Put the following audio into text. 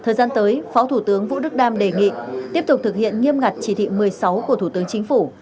thời gian tới phó thủ tướng vũ đức đam đề nghị tiếp tục thực hiện nghiêm ngặt chỉ thị một mươi sáu của thủ tướng chính phủ